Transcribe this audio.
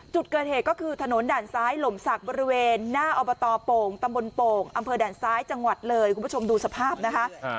จุดเกิดเหตุก็คือถนนด่านซ้ายหล่มศักดิ์บริเวณหน้าอบตโป่งตำบลโป่งอำเภอด่านซ้ายจังหวัดเลยคุณผู้ชมดูสภาพนะคะ